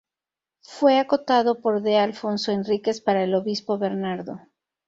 Fue acotado por D. Afonso Henriques para el obispo Bernardo.